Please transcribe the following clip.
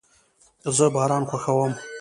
زه باران خوښوم